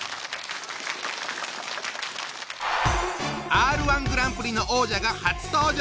Ｒ−１グランプリの王者が初登場。